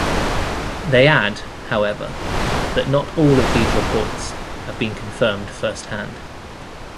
They add however that not all of these reports have been confirmed first hand.